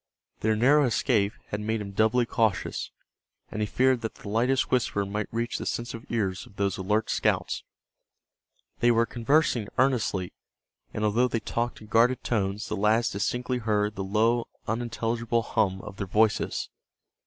Their narrow escape had made him doubly cautious, and he feared that the lightest whisper might reach the sensitive ears of those alert scouts. They were conversing earnestly, and although they talked in guarded tones the lads distinctly heard the low unintelligible hum of their voices.